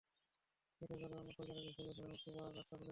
এতে করে অন্য পরিচালকের ছবিও সেখানে মুক্তি পাওয়ার রাস্তা খুলে যাবে।